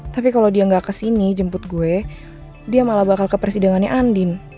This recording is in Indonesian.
tapi kalau dia nggak kesini jemput gue dia malah bakal ke persidangannya andin